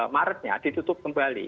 maretnya ditutup kembali